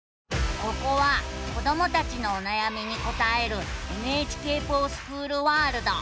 ここは子どもたちのおなやみに答える「ＮＨＫｆｏｒＳｃｈｏｏｌワールド」。